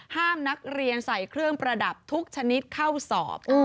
ห้ามนักเรียนใส่เครื่องประดับทุกชนิดเข้าสอบ